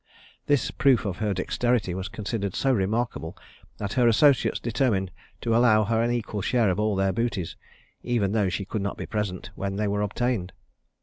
This proof of her dexterity was considered so remarkable that her associates determined to allow her an equal share of all their booties, even though she should not be present when they were obtained.